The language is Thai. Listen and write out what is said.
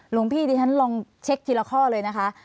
หลวงพี่ดิฉันลองเช็คทีละข้อเลยนะคะ